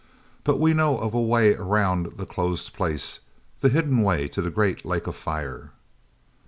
But we know of a way around the closed place, the hidden way to the great Lake of Fire."